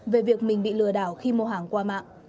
về việc mình bị lừa đảo khi mua hàng qua mạng